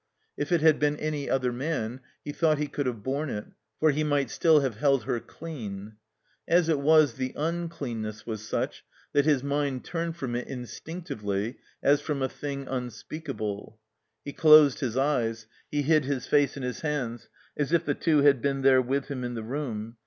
If it had been any other man he thought he could have borne it, for he might still have held her dean. As it was, the undeanness was such that his mind turned from it instinctively as from a thing un speakable. He dosed his eyes, he hid his face in his hands, as if the two had been there with him in the room.